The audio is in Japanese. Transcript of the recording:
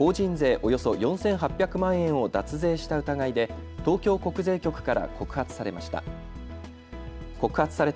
およそ４８００万円を脱税した疑いで東京国税局から告発されました。